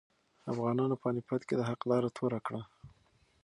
افغانانو په پاني پت کې د حق لاره توره کړه.